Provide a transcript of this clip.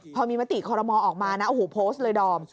พอมีมติคอรมอลออกมานะโอ้โหโพสต์เลยดอม